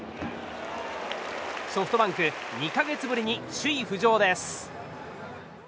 ソフトバンク、２か月ぶりに首位浮上です。